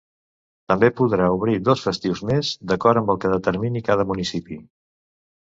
També podrà obrir dos festius més, d'acord amb el que determini cada municipi.